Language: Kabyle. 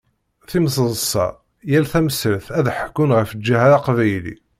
Timseḍṣa, yal tamsirt ad d-ḥekkun ɣef Ǧeḥḥa aqbayli.